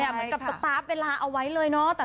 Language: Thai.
เหมือนกับสตาร์ฟเวลาเอาไว้เลยเนาะ